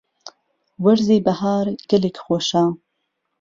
وەرزی بەهار گەلێک خۆشە.